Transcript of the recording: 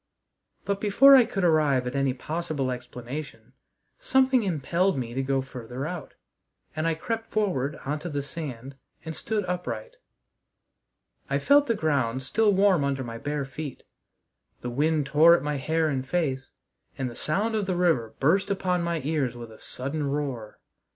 But, before I could arrive at any possible explanation, something impelled me to go farther out, and I crept forward on to the sand and stood upright. I felt the ground still warm under my bare feet; the wind tore at my hair and face; and the sound of the river burst upon my ears with a sudden roar.